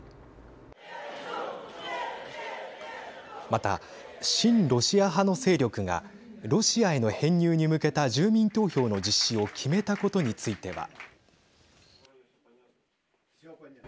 また、親ロシア派の勢力がロシアへの編入に向けた住民投票の実施を決めたことについては。